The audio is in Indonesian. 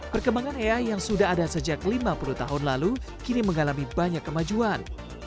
perkembangan ea yang sudah ada sejak lima puluh tahun lalu kini mengalami banyak kemajuan